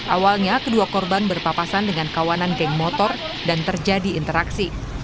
awalnya kedua korban berpapasan dengan kawanan geng motor dan terjadi interaksi